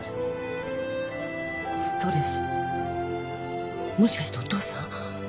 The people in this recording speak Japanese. ストレスもしかしてお父さん？